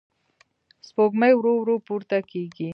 سپوږمۍ ورو ورو پورته کېږي.